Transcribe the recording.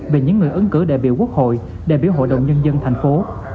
về những người ứng cử đại biểu quốc hội đại biểu hội đồng nhân dân tp hcm